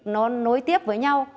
nó nối tiếp với nhau